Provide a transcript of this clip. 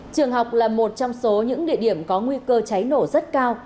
trường học là một trong số những địa điểm có nguy cơ cháy nổ rất cao